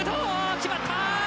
決まった！